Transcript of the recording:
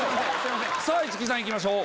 さぁ市來さん行きましょう。